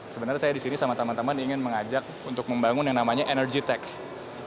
sebenarnya saya disini sama teman teman ingin mengajak untuk membangun yang namanya energy tech